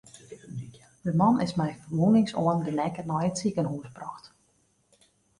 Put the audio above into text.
De man is mei ferwûnings oan de nekke nei it sikehûs brocht.